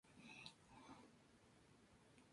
El caso fue "identidad errónea".